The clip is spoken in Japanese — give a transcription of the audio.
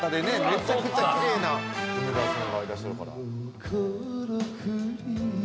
めちゃくちゃキレイな梅沢さんがいらっしゃるから。